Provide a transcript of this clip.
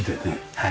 はい。